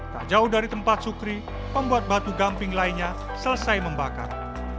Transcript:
tak jauh dari tempat sukri pembuat batu gamping lainnya selesai membakar